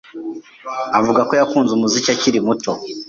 avuga ko yakunze umuziki akiri muto